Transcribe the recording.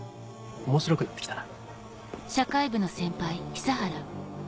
面白くなってきたな。